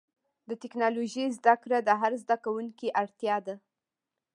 د ټکنالوجۍ زدهکړه د هر زدهکوونکي اړتیا ده.